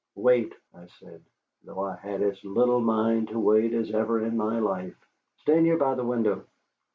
"Wait," I said, though I had as little mind to wait as ever in my life. "Stand here by the window."